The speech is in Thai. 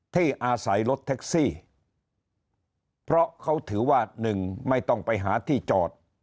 ที่อาศัยรถแท็กซี่เพราะเขาถือว่าหนึ่งไม่ต้องไปหาที่จอด